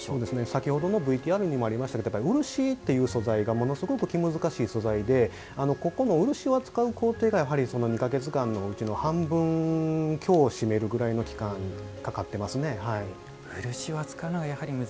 先ほどのＶＴＲにもありましたが、漆っていう素材がものすごく気難しい素材でここも漆を使う工程が２か月間のうちの半分強をしめるぐらいかかってますね。